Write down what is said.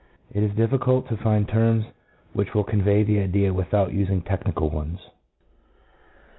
It is difficult to find terms which will convey the idea without using technical ones.